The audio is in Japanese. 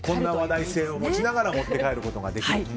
こんな話題性を持ちながら持ち帰ることができると。